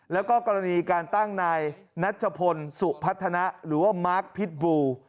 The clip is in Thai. แล้วก็กรณีการตั้งนายนัชพลสุพัฒนะหรือว่ามาร์คพิษบู